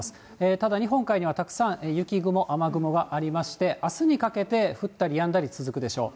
ただ、日本海にはたくさん雪雲、雨雲がありまして、あすにかけて降ったりやんだり続くでしょう。